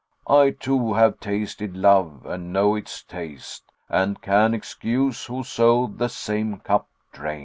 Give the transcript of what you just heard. I, too, have tasted love and know its taste * And can excuse whoso the same cup drain."